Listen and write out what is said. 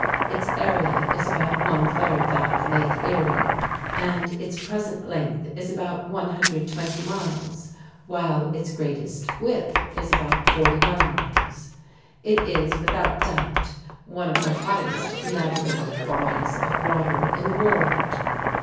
Its area is about one third that of Lake Erie, and its present length is about 120 miles, while its greatest width is about 41 miles. It is, without doubt, one of the highest navigable bodies of water in the world.